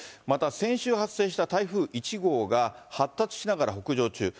また先週発生した台風１号が、発達しながら北上中。